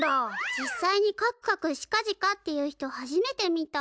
実さいに「かくかくしかじか」って言う人はじめて見た。